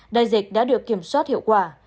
đại dịch đã được kiểm soát hiệu quả